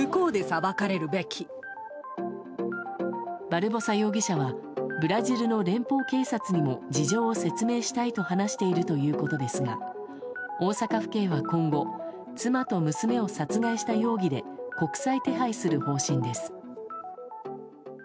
バルボサ容疑者はブラジルの連邦警察にも事情を説明したいと話しているということですが大阪府警は今後妻と娘を殺害した容疑で国際手配する方針です。